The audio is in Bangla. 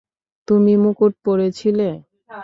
তুমি মুকুট পরেছিলে।